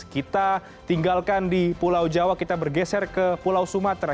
kita tinggalkan di pulau jawa kita bergeser ke pulau sumatera